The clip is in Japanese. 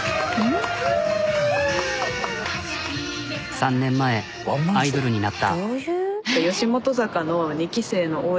３年前アイドルになった。